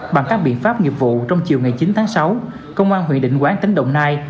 bằng các biện pháp nghiệp vụ trong chiều ngày chín tháng sáu công an huyện định quán tỉnh đồng nai